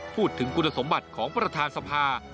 พูดถึงคุณสมบัติของประธานสภา